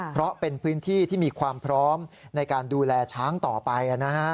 เพราะเป็นพื้นที่ที่มีความพร้อมในการดูแลช้างต่อไป